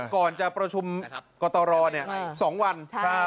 ก่อนจะประชุมกฎรอเนี่ย๒วัน